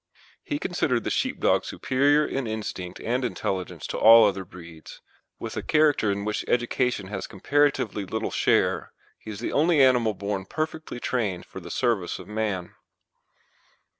He considered the Sheepdog superior in instinct and intelligence to all other breeds, and that, with a character in which education has comparatively little share, he is the only animal born perfectly trained for the service of man.